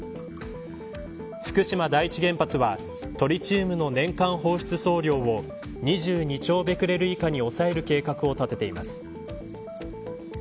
福島第一原発はトリチウムの年間放出総量を２２兆ベクレル以下に抑える計画を立てています。